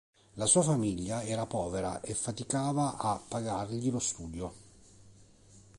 La sua famiglia era povera e faticava a pagargli lo studio.